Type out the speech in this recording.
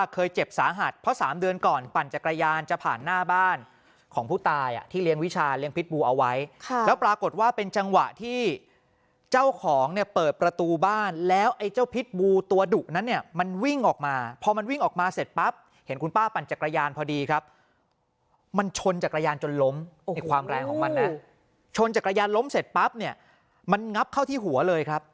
เคยเจ็บสาหัสเพราะ๓เดือนก่อนปั่นจักรยานจะผ่านหน้าบ้านของผู้ตายที่เลี้ยงวิชาเลี้ยงพิษบูอเอาไว้แล้วปรากฏว่าเป็นจังหวะที่เจ้าของเนี่ยเปิดประตูบ้านแล้วไอ้เจ้าพิษบูตัวดุนั้นเนี่ยมันวิ่งออกมาพอมันวิ่งออกมาเสร็จปั๊บเห็นคุณป้าปั่นจักรยานพอดีครับมันชนจักรยานจนล้มในความแ